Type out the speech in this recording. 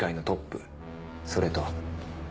それと。